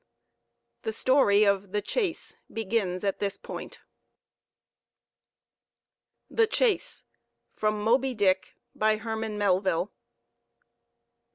The story of "The Chase" begins at this point. THE CHASE (From Moby Dick.) By HERMAN MELVILLE.